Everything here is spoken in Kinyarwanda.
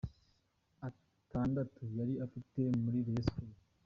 atandatu yari afite muri Rayon Sports.